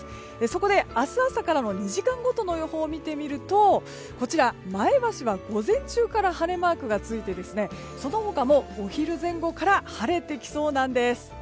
そこで明日朝からの２時間ごとの予報を見てみると前橋は午前中から晴れマークがついてその他もお昼前後から晴れてきそうなんです。